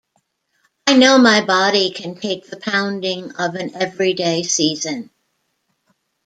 I know my body can take the pounding of an everyday season.